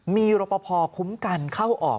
มีรับประพอคุ้มกันเข้าออก